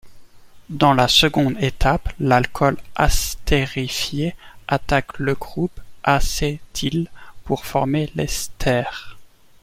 Dans la seconde étape, l'alcool à estérifier attaque le groupe acétyle pour former l'ester.